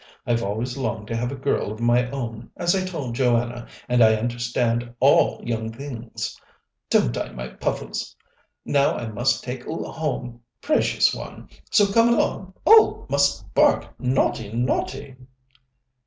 I've always longed to have a girl of my own, as I told Joanna, and I understand all young things. Don't I, my Puffles? Now I must take 'oo home, precious one, so come along. Oh! mustn't bark naughty, naughty!"